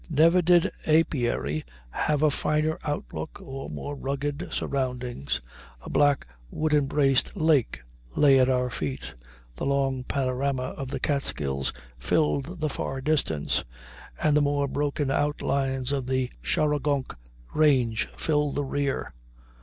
Never did apiary have a finer outlook or more rugged surroundings. A black, wood embraced lake lay at our feet; the long panorama of the Catskills filled the far distance, and the more broken outlines of the Shawangunk range filled the rear.